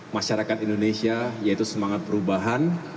masyarakat indonesia yaitu semangat perubahan